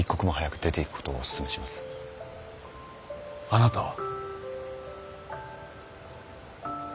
あなたは。